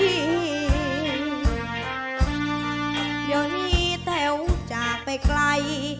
เดี๋ยวนี้แต๋วจากไปไกล